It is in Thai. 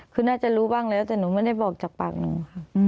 คือน่าจะรู้บ้างแล้วแต่หนูไม่ได้บอกจากปากหนูค่ะ